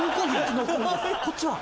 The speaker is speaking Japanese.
こっちは？